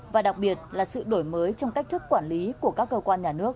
và đặc biệt là sự đổi mới trong cách thức quản lý của các cơ quan nhà nước